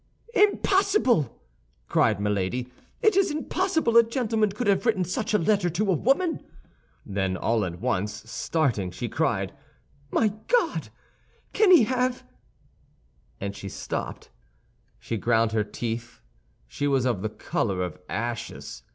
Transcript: "Impossible!" cried Milady. "It is impossible a gentleman could have written such a letter to a woman." Then all at once, starting, she cried, "My God! can he have—" and she stopped. She ground her teeth; she was of the color of ashes.